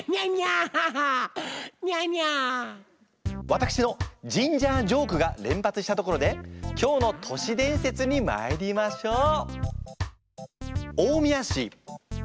わたくしのジンジャージョークが連発したところで今日の年伝説にまいりましょう。